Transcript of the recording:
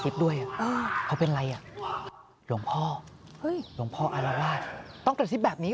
เกิดเหตุการณ์จากกุฏติของเจ้าอาวาสดังแบบนี้ฮะ